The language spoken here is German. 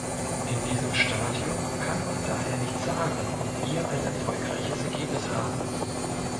In diesem Stadium kann man daher nicht sagen, ob wir ein erfolgreiches Ergebnis haben.